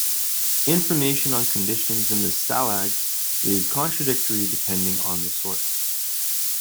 Information on conditions in the stalags is contradictory depending on the source.